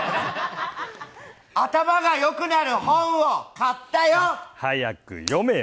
頭がよくなる本を買ったよ！